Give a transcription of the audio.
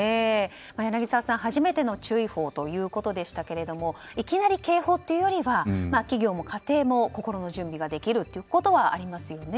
柳澤さん、初めての注意報ということでしたけれどもいきなり警報というよりは企業も家庭も心の準備ができるっていうことはありますよね。